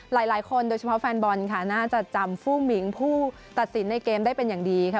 หลายคนโดยเฉพาะแฟนบอลค่ะน่าจะจำฟู้มิงผู้ตัดสินในเกมได้เป็นอย่างดีค่ะ